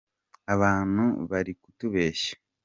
abantu barikutubeshya